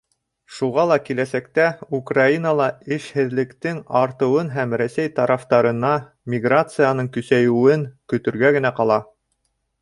Шуға ла киләсәктә Украинала эшһеҙлектең артыуын һәм Рәсәй тарафтарына миграцияның көсәйеүен көтөргә генә ҡала.